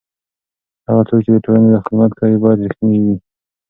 هغه څوک چې د ټولنې خدمت کوي باید رښتینی وي.